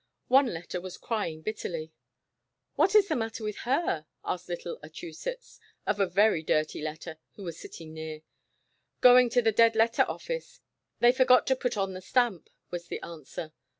One letter was crvincr bitterly. "What is the matter with her?" asked little Achusetts, of a very dirty letter, w^ho was sitting near. " Going to the dead letter office ; they forgot to put on the stamp/' was the answer.